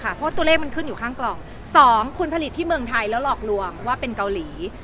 เพราะว่าตัวเลขมันขึ้นอยู่ข้างกล่องสองคุณผลิตที่เมืองไทยแล้วหลอกลวงว่าเป็นเกาหลี